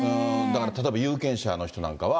だから例えば有権者の人なんかは。